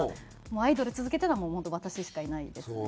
アイドル続けてるのは本当私しかいないですね。